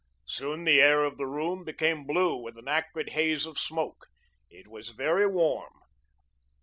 Soon the air of the room became blue with an acrid haze of smoke. It was very warm.